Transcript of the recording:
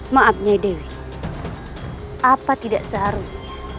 maafnya dewi apa tidak seharusnya